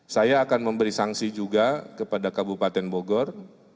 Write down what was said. saya akan memberi sanksi juga kepada kabupaten bogor